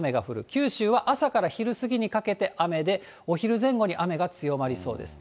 九州は朝から昼過ぎにかけて、雨で、お昼前後に雨が強まりそうです。